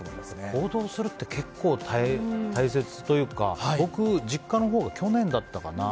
行動するって結構大切というか僕、実家のほうが去年だったかな